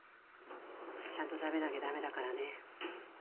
ちゃんと食べなきゃダメだからね。